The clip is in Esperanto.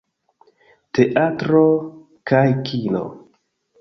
Teatro kaj kino.